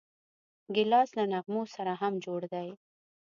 ګیلاس له نغمو سره هم جوړ دی.